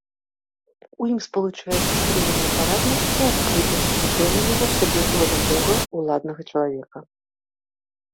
У ім спалучаецца стрыманая параднасць і адкрытасць упэўненага ў сабе, валявога, уладнага чалавека.